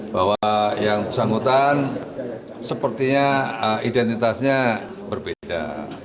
bahwa yang bersangkutan sepertinya identitasnya berbeda